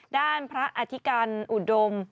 ด้านพระอธิกันอุดม